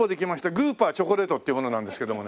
グーパーチョコレートっていう者なんですけどもね。